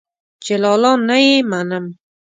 چې لالا نه يې منم.